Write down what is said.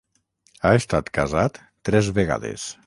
Ha estat casat tres vegades.